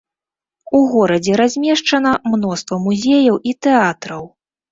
У горадзе размешчана мноства музеяў і тэатраў.